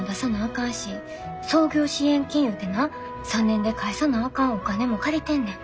かんし創業支援金いうてな３年で返さなあかんお金も借りてんねん。